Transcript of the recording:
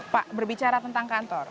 pak berbicara tentang kantor